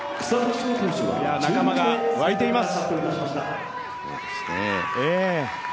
仲間が沸いています。